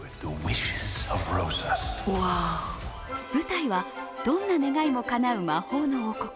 舞台は、どんな願いもかなう魔法の王国